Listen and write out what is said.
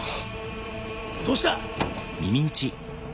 どうした？